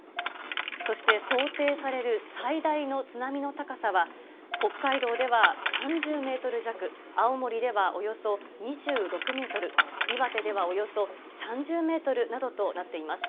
そして、想定される最大の津波の高さは、北海道では３０メートル弱、青森ではおよそ２６メートル、岩手ではおよそ３０メートルなどとなっています。